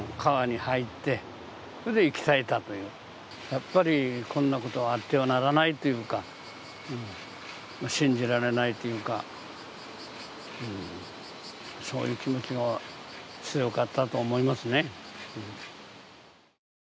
やっぱり、こんなことがあってはならないというか、信じられないというか、そういう気持ちが強かったと思いますね。